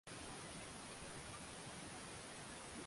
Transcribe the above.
walisema kuwa matokeo ya utafiti huo ni mapana sana